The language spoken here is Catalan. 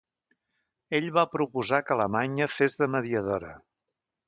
Ell va proposar que Alemanya fes de mediadora.